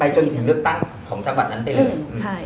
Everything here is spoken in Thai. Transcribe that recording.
จนถึงเลือกตั้งของจังหวัดนั้นไปเลย